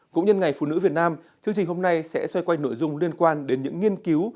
cũng nhân ngày phụ nữ việt nam chương trình hôm nay sẽ xoay quanh nội dung liên quan đến những nghiên cứu